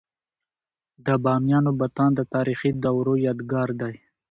د بامیانو بتان د تاریخي دورو یادګار دی.